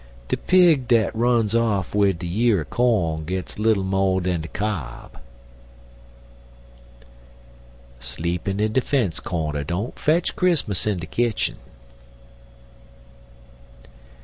De pig dat runs off wid de year er corn gits little mo' dan de cob. Sleepin' in de fence cornder don't fetch Chrismus in de kitchen.